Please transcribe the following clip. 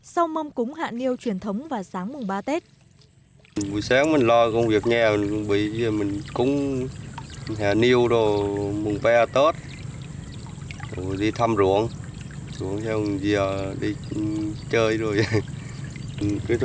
sau mâm cúng hạ niêu truyền thống vào sáng mùng ba tết